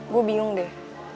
gue bingung deh